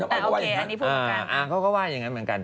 อเจมส์ออออเขาก็ว่าอย่างนั้นเหมือนกัน